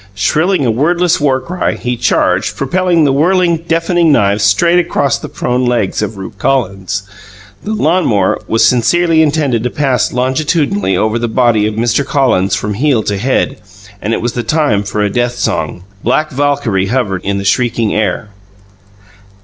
Shrilling a wordless war cry, he charged, propelling the whirling, deafening knives straight upon the prone legs of Rupe Collins. The lawn mower was sincerely intended to pass longitudinally over the body of Mr. Collins from heel to head; and it was the time for a death song. Black Valkyrie hovered in the shrieking air.